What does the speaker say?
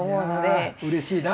いやうれしいな。